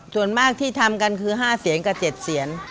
ส่วนมากที่ทำกันคือ๕เสียงกับ๗เสียน